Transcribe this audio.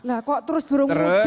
nah kok terus berungut ungut gus